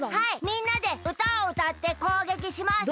みんなでうたをうたってこうげきします。